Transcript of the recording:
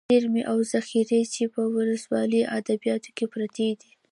ذېرمې او ذخيرې چې په ولسي ادبياتو کې پراتې دي.